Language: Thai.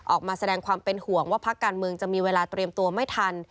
ออกมาแสดงความเป็นห่วงว่าพักการเมืองจะมีเวลาเตรียมตัวไม่ทัน